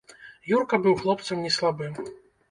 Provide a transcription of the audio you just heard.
Юрка быў хлопцам не слабым.